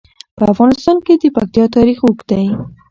په افغانستان کې د پکتیا تاریخ اوږد دی.